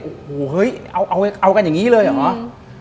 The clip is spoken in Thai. โอ้โหเฮ้ยเอากันอย่างนี้เลยเหรอ